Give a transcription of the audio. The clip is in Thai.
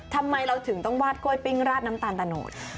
ทำไมเราถึงต้องวาดกล้วยปิ้งราดน้ำตาลตะโนด